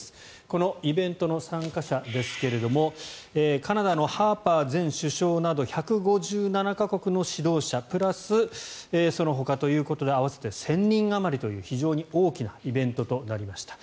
このイベントの参加者ですがカナダのハーパー前首相など１５７か国の指導者プラス、そのほかということで合わせて１０００人あまりという非常に大きなイベントとなりました。